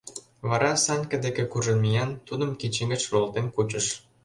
Вара Санька деке куржын миен, тудым кидше гыч руалтен кучыш.